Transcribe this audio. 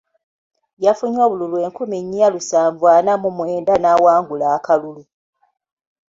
Yafunye obululu enkumi nnya lusanvu ana mu mwenda n'awangula akalulu.